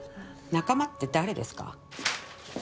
仲間って誰ですか？